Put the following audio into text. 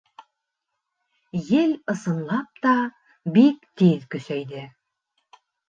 Ел, ысынлап та, бик тиҙ көсәйҙе.